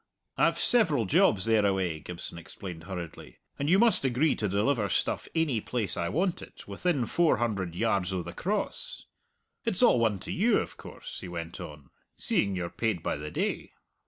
"I've several jobs thereaway," Gibson explained hurriedly, "and you must agree to deliver stuff ainy place I want it within four hundred yards o' the Cross. It's all one to you, of course," he went on, "seeing you're paid by the day."